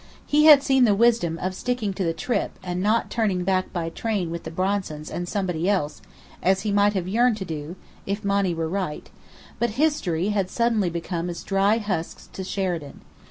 He had seen the wisdom of "sticking to the trip," and not turning back by train with the Bronsons and Somebody Else, as he may have yearned to do (if Monny were right): but History had suddenly become as dry husks to Sheridan.